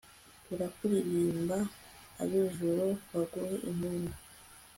turakuririmba, ab'ijuru baguhe impundu